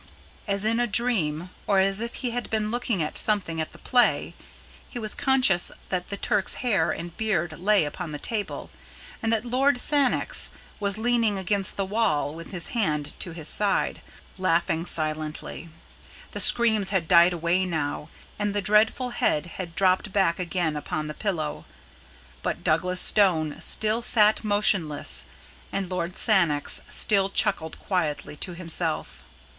As in a dream, or as if he had been looking at something at the play, he was conscious that the Turk's hair and beard lay upon the table, and that Lord Sannox was leaning against the wall with his hand to his side, laughing silently. The screams had died away now, and the dreadful head had dropped back again upon the pillow, but Douglas Stone still sat motionless, and Lord Sannox still chuckled quietly to himself.